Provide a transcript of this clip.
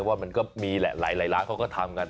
มันก็มีแหละหลายร้านเขาก็ทำกัน